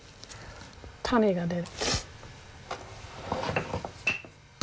種が出る。